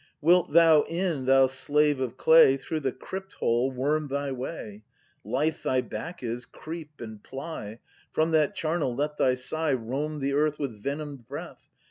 ] Wilt thou in, thou slave of clay, — Through the crypt hole worm thy way; Lithe thy back is, creep and ply; From that charnel let thy sigh Roam the earth with venom'd breath.